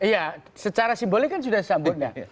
iya secara simbolnya kan sudah bersambut